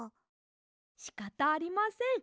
しかたありません。